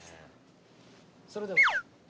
それでは。